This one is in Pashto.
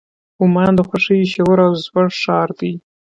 عمان د خوښیو د شور او زوږ ښار دی.